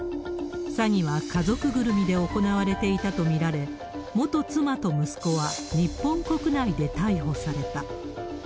詐欺は家族ぐるみで行われていたと見られ、元妻と息子は日本国内で逮捕された。